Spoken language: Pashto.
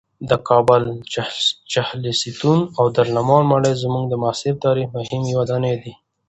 د کابل د چهلستون او دارالامان ماڼۍ زموږ د معاصر تاریخ مهمې ودانۍ دي.